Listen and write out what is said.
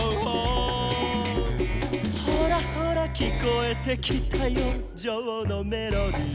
「ほらほらきこえてきたよジョーのメロディー」